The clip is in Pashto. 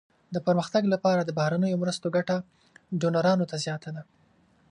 د پرمختګ لپاره د بهرنیو مرستو ګټه ډونرانو ته زیاته ده.